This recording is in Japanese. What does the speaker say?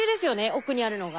奥にあるのが。